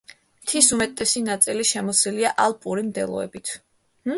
მთის უმეტესი ნაწილი შემოსილია ალპური მდელოებით.